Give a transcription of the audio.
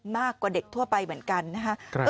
มากกว่าเด็กทั่วไปเหมือนกันนะครับ